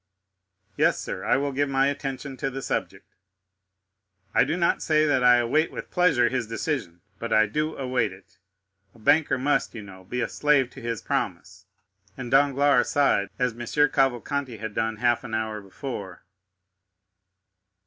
"Yes, sir, I will give my attention to the subject." "I do not say that I await with pleasure his decision, but I do await it. A banker must, you know, be a slave to his promise." And Danglars sighed as M. Cavalcanti had done half an hour before.